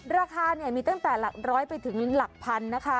ราคามีตั้งแต่หลักร้อยไปถึงหลักพันนะคะ